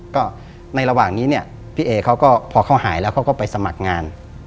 ก็ในระหว่างนี้เนี่ยพี่เอเขาก็พอเขาหายแล้วเขาก็ไปสมัครงาน